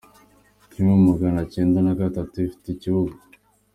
kimwe magana cyenda na gatatu. Ifite ikibuga